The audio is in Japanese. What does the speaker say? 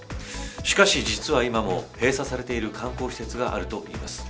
しかし実は今も閉鎖されている観光施設があるといいます。